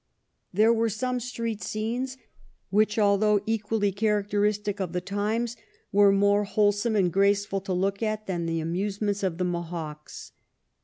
There were some street scenes which, although equal ly characteristic of the times, were more wholesome and graceful to look at than the amusements of the Mohocks.